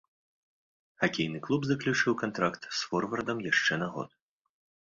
Хакейны клуб заключыў кантракт з форвардам яшчэ на год.